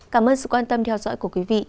cảm ơn sự quan tâm theo dõi của quý vị